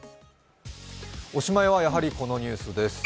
おしまいはやはりこのニュースです。